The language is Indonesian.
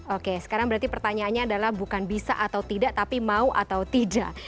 oke sekarang berarti pertanyaannya adalah bukan bisa atau tidak tapi mau atau tidak